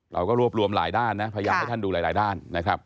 เราก็รวบรวมหลายด้านนะพยายามให้ท่านดูหลายด้านนะครับ